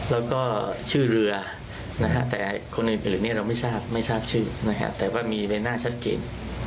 แล้วก็ชื่อเรือแต่คนอื่นเป็นอะไรเราไม่ทราบไม่ทราบชื่อแต่ว่ามีในหน้าชัดเจน